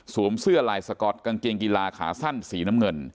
เสื้อลายสก๊อตกางเกงกีฬาขาสั้นสีน้ำเงิน